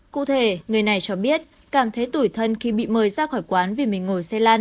cụ thể người này cho biết cảm thấy tủi thân khi bị mời ra khỏi quán vì mình ngồi xe lăn